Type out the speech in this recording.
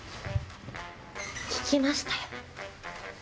聞きましたよ。